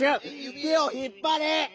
「てをひっぱれ」！